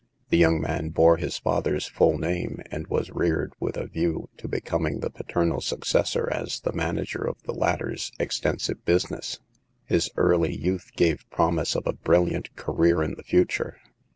The young man bore his father's full name, and was reared with a view to becoming the paternal successor as the manager of the latter's extensive business. His early youth gave promise of a brilliant career in the future.